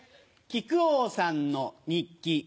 木久扇さんの日記。